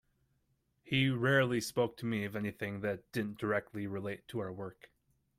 He rarely spoke to me of anything that didn't directly relate to our work.